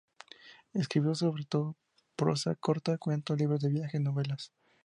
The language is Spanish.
Escribió sobre todo prosa corta: cuentos, libros de viaje, novelas.